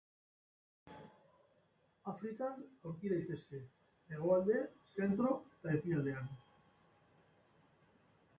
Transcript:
Afrikan aurki daitezke, hegoalde, zentro eta ekialdean.